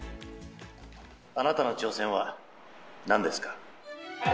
あなたの挑戦はなんですか。